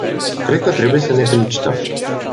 Cred că trebuie să ne felicităm.